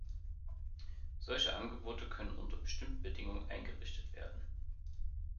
Solche Angebote können unter bestimmten Bedingungen eingerichtet werden.